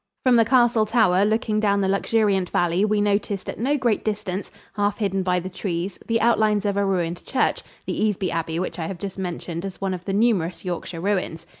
From the castle tower, looking down the luxuriant valley, we noticed at no great distance, half hidden by the trees, the outlines of a ruined church the Easby Abbey which I have just mentioned as one of the numerous Yorkshire ruins.